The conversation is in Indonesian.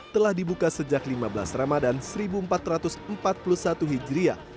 telah dibuka sejak lima belas ramadan seribu empat ratus empat puluh satu hijriah